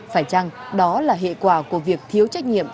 phải chăng đó là hệ quả của việc thiếu trách nhiệm